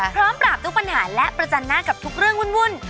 พร้อมปราบทุกปัญหาและประจันหน้ากับทุกเรื่องวุ่น